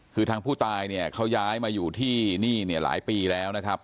คือทางผู้ตายเนี่ยเขาย้ายมาอยู่ที่นี่เนี่ยหลายปีแล้วนะครับ